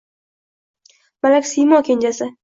Malaksiymo kenjasi